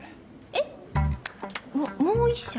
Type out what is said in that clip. えっ？ももう１社？